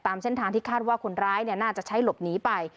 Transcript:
ตามเส้นทางที่คาดว่าคนร้ายน่าจะใช้หลบหนีไป